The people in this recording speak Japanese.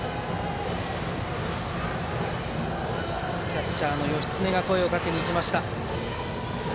キャッチャーの義経が声をかけに行きました。